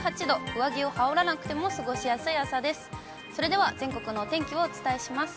上着を羽織らなくても過ごしやすい朝です。